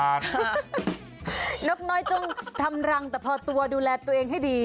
นกน้อยต้องทำรังแต่พอตัวดูแลตัวเองให้ดี